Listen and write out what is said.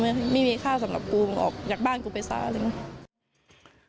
มึงไม่มีค่าสำหรับกูมึงออกจากบ้านกูไปซาอะไรอย่างนี้